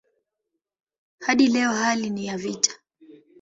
Hadi leo hali ni ya vita.